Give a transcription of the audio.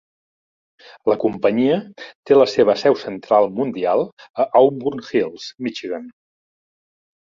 La companyia té la seva seu central mundial a Auburn Hills, Michigan.